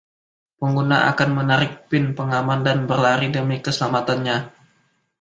Pengguna akan menarik pin pengaman dan berlari demi keselamatannya.